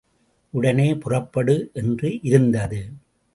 உடனே புறப்படு என்று இருந்தது.